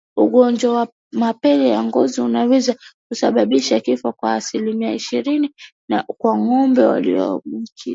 Ugonjwa wa mapele ya ngozi unaweza kusababisha kifo kwa asilimia ishirini kwa ngombe walioambukizwa